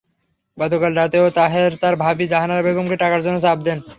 গতকাল রাতেও তাহের তাঁর ভাবি জাহানারা বেগমকে টাকার জন্য চাপ দেন।